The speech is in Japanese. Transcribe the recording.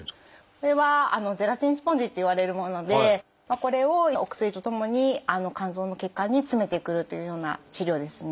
これはゼラチンスポンジっていわれるものでこれをお薬とともに肝臓の血管に詰めてくるというような治療ですね。